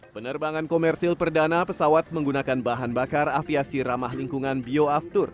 penerbangan komersil perdana pesawat menggunakan bahan bakar aviasi ramah lingkungan bioaftur